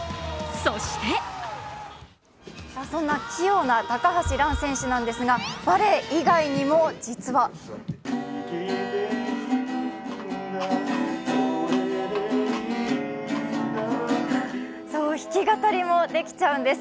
そしてそんな器用な高橋藍選手なんですがバレー以外にも実は弾き語りもできちゃうんです。